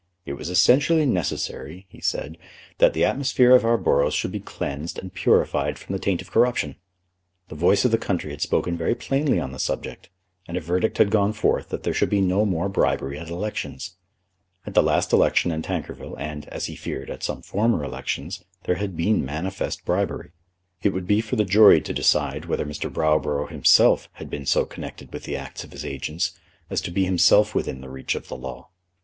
It was essentially necessary, he said, that the atmosphere of our boroughs should be cleansed and purified from the taint of corruption. The voice of the country had spoken very plainly on the subject, and a verdict had gone forth that there should be no more bribery at elections. At the last election at Tankerville, and, as he feared, at some former elections, there had been manifest bribery. It would be for the jury to decide whether Mr. Browborough himself had been so connected with the acts of his agents as to be himself within the reach of the law.